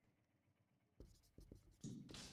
مالیکول د دوه یا ډیرو اتومونو مجموعه ده.